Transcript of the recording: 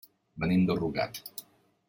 Venim de Rugat.